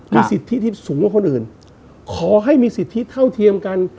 มีสิทธิที่สูงกว่าคนอื่นขอให้มีสิทธิเท่าเทียมกัน